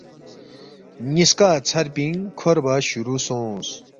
نِ٘یسکا ژھر پِنگ کھوربا شروع سونگس